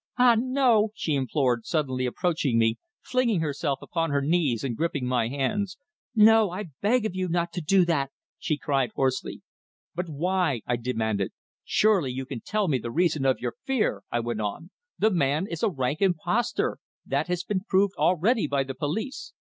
"Ah, no!" she implored, suddenly approaching me, flinging herself upon her knees and gripping my hands. "No, I beg of you not to do that!" she cried hoarsely. "But why?" I demanded. "Surely you can tell me the reason of your fear!" I went on "the man is a rank impostor. That has been proved already by the police."